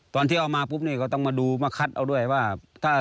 ตอนที่เอามาปุ๊บนี่ก็ต้องมาดูมาคัดเอาด้วยว่า